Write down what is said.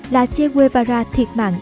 là che guevara thiệt mạng